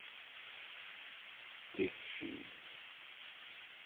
D tikci?